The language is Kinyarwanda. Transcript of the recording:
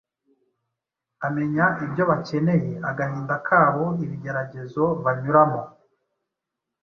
amenya ibyo bakeneye, agahinda kabo, ibigeragezo banyuramo;